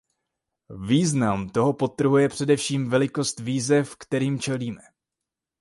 Význam toho podtrhuje především velikost výzev, kterým čelíme.